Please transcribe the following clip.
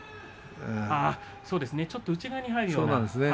ちょっと内側に入るような。